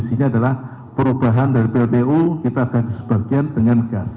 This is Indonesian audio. intinya adalah perubahan dari pltu kita tersebagian dengan gas